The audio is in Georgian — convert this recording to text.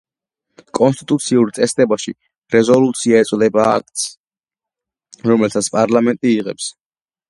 კონსტიტუციურ წესდებაში რეზოლუცია ეწოდება აქტს, რომელსაც პარლამენტი იღებს.